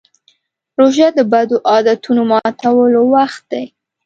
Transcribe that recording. روژه د بدو عادتونو ماتولو وخت دی.